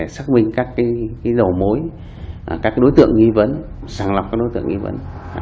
xác minh các đầu mối các đối tượng nghi vấn sàng lọc các đối tượng nghi vấn